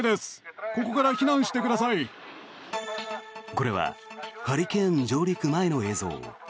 これはハリケーン上陸前の映像。